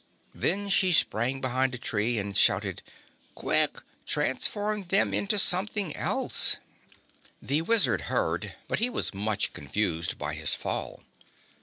Then she sprang behind a tree and shouted: "Quick! Transform them into something else." The Wizard heard, but he was much confused by his fall.